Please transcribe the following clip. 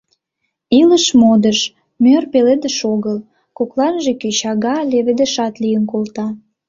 Илыш — модыш, мӧр пеледыш огыл, кокланже кӧчага леведышат лийын колта.